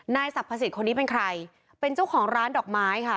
สรรพสิทธิ์คนนี้เป็นใครเป็นเจ้าของร้านดอกไม้ค่ะ